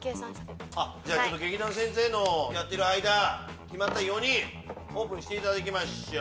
劇団先生のやってる間決まった４人オープンしていただきましょう。